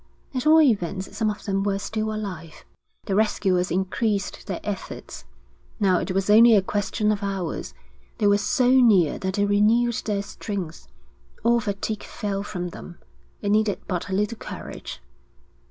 At all events some of them were still alive. The rescuers increased their efforts. Now it was only a question of hours. They were so near that it renewed their strength; all fatigue fell from them; it needed but a little courage.